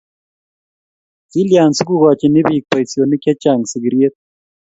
kilyan si kuukochini biik boisionik che chang' sigiriet